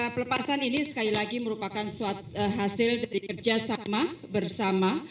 pelepasan ini sekali lagi merupakan hasil dari kerjasama bersama